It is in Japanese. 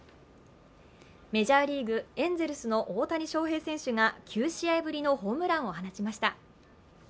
メジャーリーグ、エンゼルスの大谷翔平選手が９試合ぶりのホームランを放ちました。